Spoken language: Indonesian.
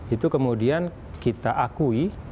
itu kemudian kita akui